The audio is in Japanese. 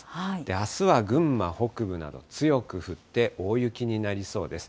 あすは群馬北部など、強く降って、大雪になりそうです。